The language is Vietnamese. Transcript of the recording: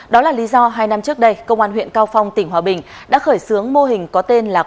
đó là lý do hai năm trước đây công an huyện cao phong tỉnh hòa bình đã khởi xướng mô hình có tên là